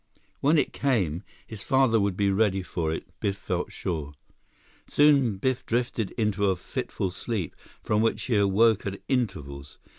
When it came, his father would be ready for it, Biff felt sure. Soon Biff drifted into a fitful sleep from which he awoke at intervals.